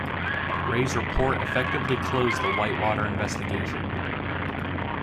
Ray's report effectively closed the Whitewater investigation.